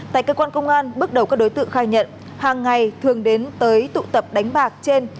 tại cơ quan công an bước đầu các đối tượng khai nhận hàng ngày thường đến tới tụ tập đánh bạc trên